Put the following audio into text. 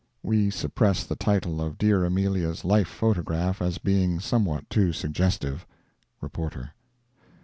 (We suppress the title of dear Amelia's "life photograph," as being somewhat too suggestive.—REPORTER.)